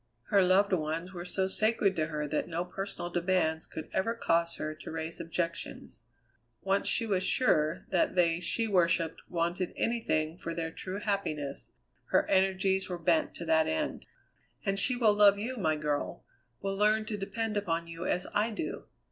Her loved ones were so sacred to her that no personal demands could ever cause her to raise objections. Once she was sure that they she worshipped wanted anything for their true happiness, her energies were bent to that end. "And she will love you, my girl; will learn to depend upon you as I do.